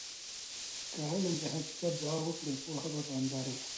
که علم د حقیقت دعا وکړي، پوهه به دوامدار وي.